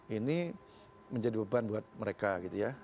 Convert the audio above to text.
ini menjadi beban buat mereka gitu ya